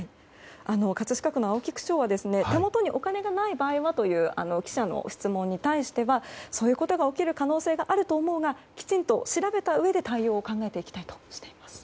葛飾区の青木区長は手元にお金がない場合は？という記者の質問に対してはそういうことが起きる可能性があると思うがきちんと調べたうえで対応を考えていきたいとしています。